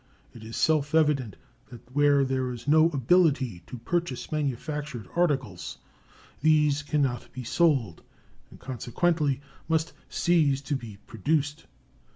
It is self evident that where there is no ability to purchase manufactured articles these can not be sold, and consequently must cease to be produced.